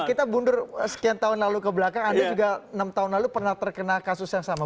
kita mundur sekian tahun lalu ke belakang anda juga enam tahun lalu pernah terkena kasus yang sama